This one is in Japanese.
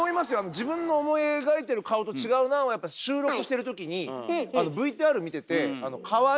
「自分の思い描いてる顔と違うなあ」はやっぱ収録してる時にあのＶＴＲ見ててかわいい